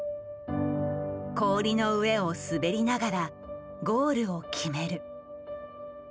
氷の上を滑りながらゴールを決める。